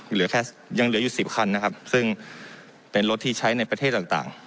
เหลือแค่ยังเหลืออยู่สิบคันนะครับซึ่งเป็นรถที่ใช้ในประเทศต่างต่าง